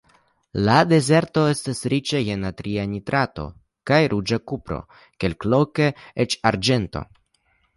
La dezerto estas riĉa je natria nitrato kaj ruĝa kupro, kelkloke eĉ arĝento.